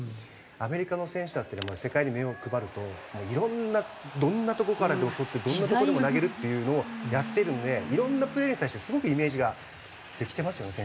アメリカの選手だったり世界に目を配るといろんなどんなとこからでも捕ってどんなとこでも投げるっていうのをやってるのでいろんなプレーに対してすごくイメージができてますよね。